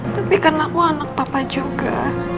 tapi kan aku anak bapak juga